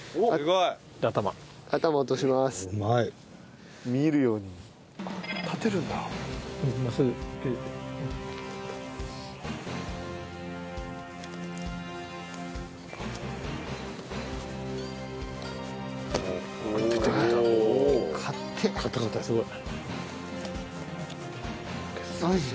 すごい。